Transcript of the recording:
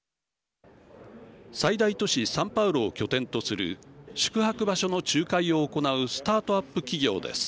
最大都市サンパウロを拠点とする宿泊場所の仲介を行うスタートアップ企業です。